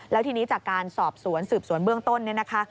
แล้วทีนี้จากการสอบสวนสืบสวนเบื้องต้นเนี่ยนะคะ